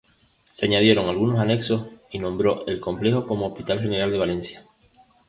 Se añadieron algunos anexos y renombró el complejo como Hospital General de Valencia.